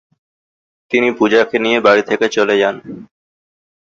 তিনি "পূজা"কে নিয়ে বাড়ি থেকে চলে যান।